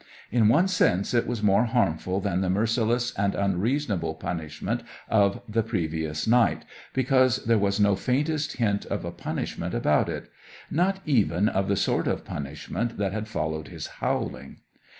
In one sense it was more harmful than the merciless and unreasonable punishment of the previous night, because there was no faintest hint of a punishment about it; not even of the sort of punishment that had followed his howling.